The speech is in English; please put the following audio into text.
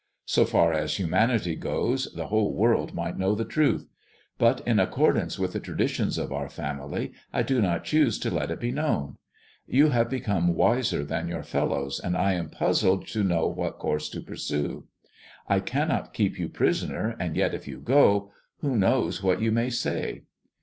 So far as humanity goes the whole world might know the truth ; but in accordance with the traditions of our family I do not choose to let it be known. You have become wiser than your fellows, and I am puzzled to know what course to pursue. I cannot keep you prisoner, and yet, if you go, who knows what you may say